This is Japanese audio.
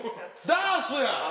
ダースや！